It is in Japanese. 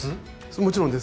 もちろんです。